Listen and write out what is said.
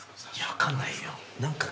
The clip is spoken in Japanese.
分かんないよ。